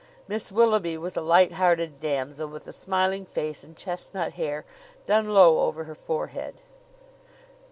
Miss Willoughby was a light hearted damsel, with a smiling face and chestnut hair, done low over her forehead.